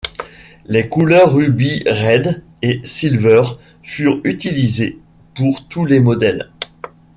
Les couleurs Ruby Red et Silver furent utilisées pour tous les modèles.